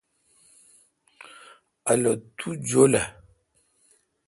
الو تو جولہ۔